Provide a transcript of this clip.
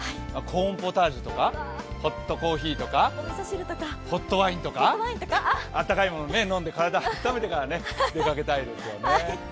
コーンポタージュとかホットコーヒーとかホットワインとか温かいもの飲んで体をあっためてから出かけたいですよね。